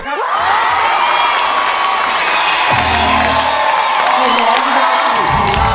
ได้ค่ะ